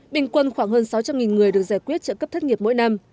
bình quân khoảng hơn sáu trăm linh người được giải quyết trợ cấp thất nghiệp mỗi năm